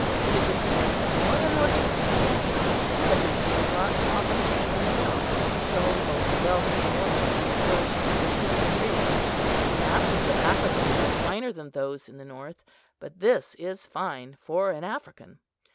It is a beast of more than ordinary pretensions, such as you would not often see in a mill, showing both the wealth of the owner and the flourishing condition of his trade. The asses of Africa are finer than those in the north; but this is fine for an African.